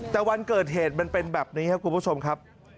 แต่วันเกิดเหตุมันเป็นแบบนี้ครับคุณผู้ชมครับ